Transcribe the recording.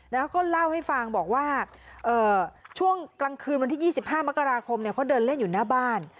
แล้วก็เล่าให้ฟังบอกว่าช่วงกลางคืนวันที่๒๕มกราคมเขาเดินเล่นอยู่หน้าบ้าน